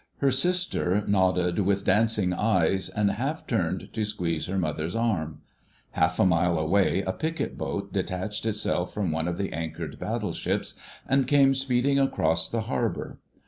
Her sister nodded with dancing eyes, and half turned to squeeze her mother's arm. Half a mile away a picket boat detached itself from one of the anchored battleships and came speeding across the harbour.